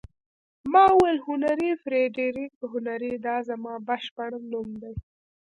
ما وویل: هنري، فرېډریک هنري، دا زما بشپړ نوم دی.